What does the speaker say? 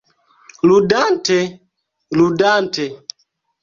Ludante, ludante.